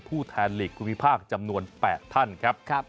ผู้แทนหลีกภูมิภาคจำนวน๘ท่านครับ